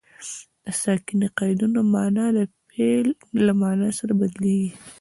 د ساکني قیدونو مانا د فعل له مانا سره بدلیږي.